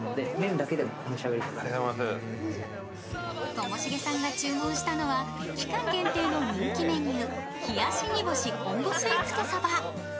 ともしげさんが注文したのは期間限定の人気メニュー、冷煮干昆布水つけそば。